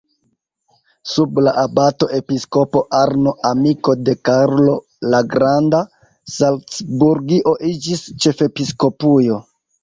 Sub la abato-episkopo Arno, amiko de Karlo la Granda, Salcburgio iĝis ĉefepiskopujo.